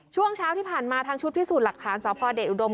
ช่วงเช้าที่ผ่านมาทางชุดพิสูจน์หลักฐานสพเดชอุดม